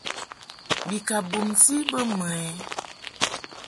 Bi ka bumti bə mɨ ɛ ?